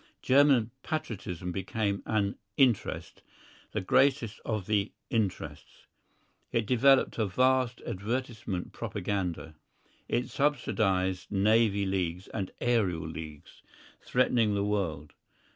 German patriotism became an "interest," the greatest of the "interests." It developed a vast advertisement propaganda. It subsidised Navy Leagues and Aerial Leagues, threatening the world.